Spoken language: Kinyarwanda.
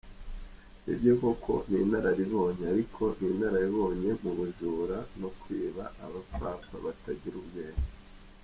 Nibyo koko ni inararibonye, ariko ni inararibonye mu bujura no kwiba abapfapfa batagira ubwenge.